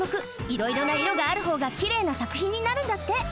いろいろないろがあるほうがきれいなさくひんになるんだって。